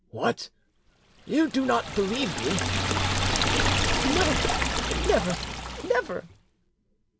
"What! you do not believe me?" "No, never, never!"